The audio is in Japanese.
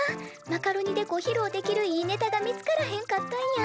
マカロニでごひろうできるいいネタが見つからへんかったんや。